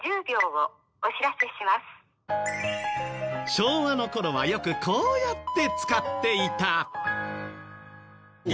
昭和の頃はよくこうやって使っていた。